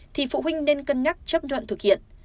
thì phụ huynh nên cân nhắc chấp thuận thực hiện